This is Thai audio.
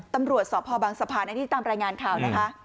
หลวดสอบภบังสภาในที่ตามรายงานข่าวนะคะ